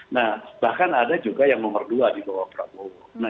nah bahkan ada juga yang nomor dua di bawah prabowo